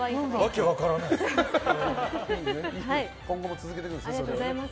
今後も続けていくんですね。